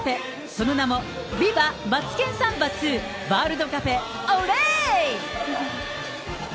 その名も、ビバマツケンサンバＩＩワールドカフェオレ！